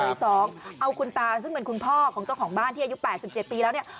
ติดกล้องวงจรปิดเลยเอาคุณตาซึ่งเป็นคุณพ่อของเจ้าของบ้านที่อายุ๘๗ปีแล้ว